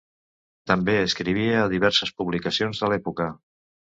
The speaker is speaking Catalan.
També escrivia a diverses publicacions de l'època.